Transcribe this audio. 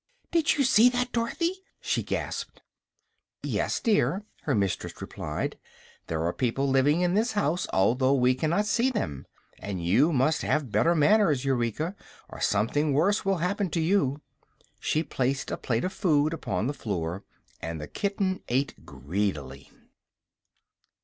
"Did you see that, Dorothy?" she gasped. "Yes, dear," her mistress replied; "there are people living in this house, although we cannot see them. And you must have better manners, Eureka, or something worse will happen to you." She placed a plate of food upon the floor and the kitten ate greedily.